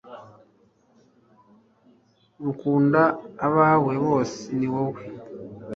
rukunda abawe, bose ni wowe